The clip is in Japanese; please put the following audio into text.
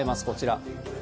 こちら。